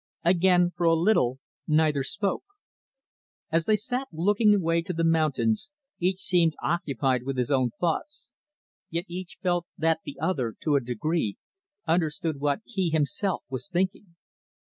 Again, for a little, neither spoke. As they sat looking away to the mountains, each seemed occupied with his own thoughts. Yet each felt that the other, to a degree, understood what he, himself, was thinking.